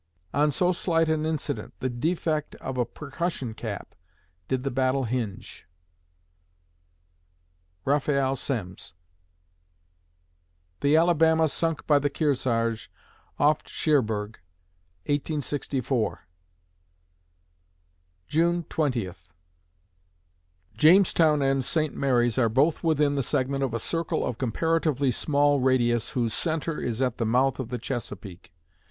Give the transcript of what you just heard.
On so slight an incident the defect of a percussion cap did the battle hinge. RAPHAEL SEMMES The "Alabama" sunk by the "Kearsarge" off Cherbourg, 1864 June Twentieth Jamestown and St. Mary's are both within the segment of a circle of comparatively small radius whose centre is at the mouth of the Chesapeake.